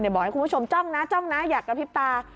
บอกให้คุณผู้ชมจ้องนะอยากกระพริบตา